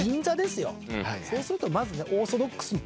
そうするとまずね。